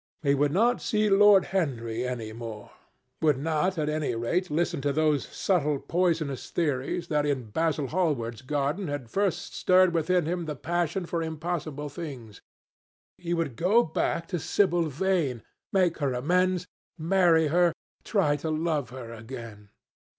He would not see Lord Henry any more—would not, at any rate, listen to those subtle poisonous theories that in Basil Hallward's garden had first stirred within him the passion for impossible things. He would go back to Sibyl Vane, make her amends, marry her, try to love her again.